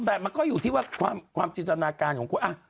แต่มันก็อยู่ที่ว่าความจินตนาการของคุณ